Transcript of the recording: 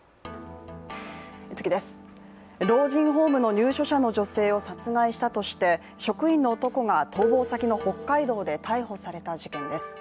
老人ホームの入所者の女性を殺害したとして、職員の男が逃亡先の北海道で逮捕された事件です。